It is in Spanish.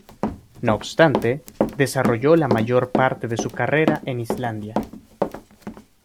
No obstante, desarrolló la mayor parte de su carrera en Islandia.